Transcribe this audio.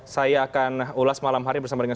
saya akan ulas malam hari bersama dengan